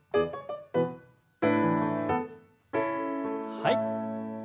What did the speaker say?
はい。